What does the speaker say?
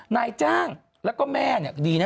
นายจ้างและก็แม่ดีนะ